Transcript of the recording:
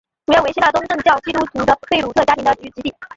主要为希腊东正教基督徒的贝鲁特家庭的聚居地。